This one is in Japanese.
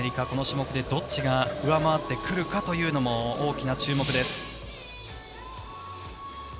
この種目でどっちが上回ってくるのかというのも大きな注目です。